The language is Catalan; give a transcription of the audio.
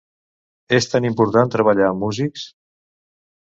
És tan important treballar amb músics!